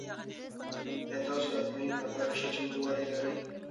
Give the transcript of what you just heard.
آیا تاسو د ازموینې لپاره ښه چمتووالی لرئ؟